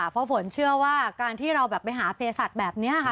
เพราะฝนเชื่อว่าการที่เราแบบไปหาเพศัตริย์แบบนี้ค่ะ